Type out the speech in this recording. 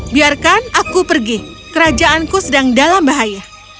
biarkan aku pergi kerajaanku sedang dalam bahaya